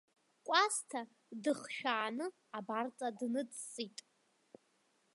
Кәасҭа дыхшәааны абарҵа дныҵҵит.